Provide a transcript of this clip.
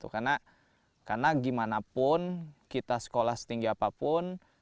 karena gimana pun kita sekolah setinggi apapun